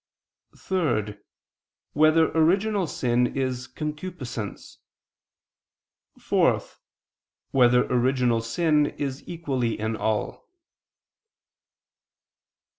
(3) Whether original sin is concupiscence? (4) Whether original sin is equally in all?